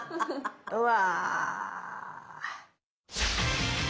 うわ。